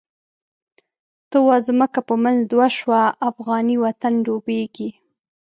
ته واځمکه په منځ دوه شوه، افغانی وطن ډوبیږی